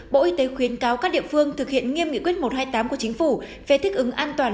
bộ y tế khuyến cáo các địa phương thực hiện nghiêm nghị quyết một trăm hai mươi tám của chính phủ về thích ứng an toàn